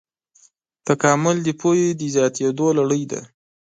تکامل د پوهې د زیاتېدو لړۍ ده.